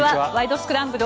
スクランブル」